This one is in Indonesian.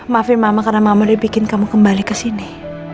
maafin mama karena mama udah bikin kamu kembali kesini